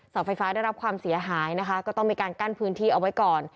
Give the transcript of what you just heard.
ไฟฟ้าได้รับความเสียหายนะคะก็ต้องมีการกั้นพื้นที่เอาไว้ก่อน